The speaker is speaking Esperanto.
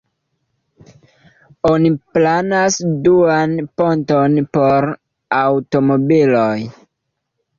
Oni planas duan ponton por aŭtomobiloj.